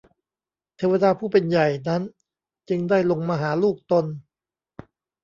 เทวดาผู้เป็นใหญ่นั้นจึงได้ลงมาหาลูกตน